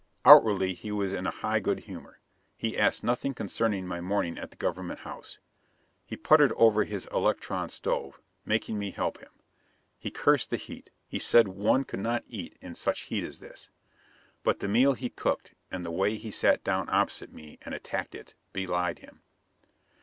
Outwardly he was in a high good humor. He asked nothing concerning my morning at the Government House. He puttered over his electron stove, making me help him; he cursed the heat; he said one could not eat in such heat as this; but the meal he cooked, and the way he sat down opposite me and attacked it, belied him.